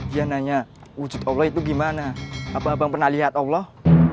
dia nanya wujud allah itu gimana abang abang pernah lihat allah